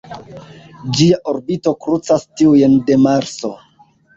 Ĝia orbito krucas tiujn de Marso.